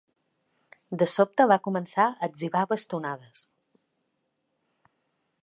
De sobte va començar a etzibar bastonades.